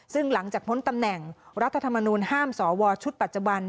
ซึ่งหลังจากพ้นตำแหน่งรัฐธรรมนูลห้ามสวชุดปัจจุบัน